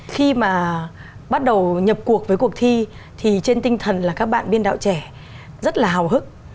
khi mà bắt đầu nhập cuộc với cuộc thi thì trên tinh thần là các bạn biên đạo trẻ rất là hào hức